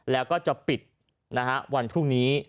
และก็จะปิดวันพุกนี้